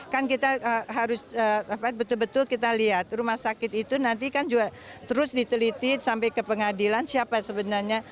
kan kita harus betul betul kita lihat rumah sakit itu nanti kan juga terus diteliti sampai ke pengadilan siapa sebenarnya